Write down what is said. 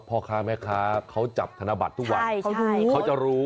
พ่อค้าแม่ค้าเขาจับธนบัตรทุกวันใช่ใช่เขารู้เขาจะรู้